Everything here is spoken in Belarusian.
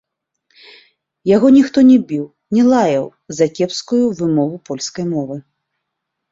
Яго ніхто не біў, не лаяў за кепскую вымову польскай мовы.